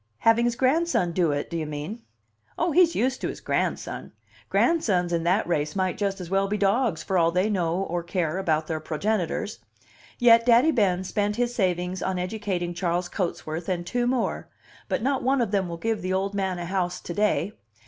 "Having his grandson do it, do you mean?" "Oh, he's used to his grandson! Grandsons in that race might just as well be dogs for all they know or care about their progenitors. Yet Daddy Ben spent his savings on educating Charles Cotesworth and two more but not one of them will give the old man a house to day.